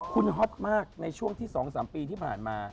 คุณฮอตมากในช่วงที่๒๓ปีที่ผ่านมา